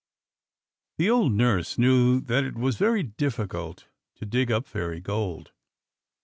The old nurse knew that it was very difficult to dig up fairy gold.